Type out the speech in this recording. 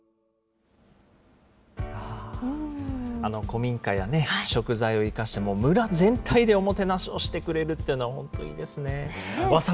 古民家や食材を生かして、村全体でおもてなしをしてくれるというのは本当いいですね。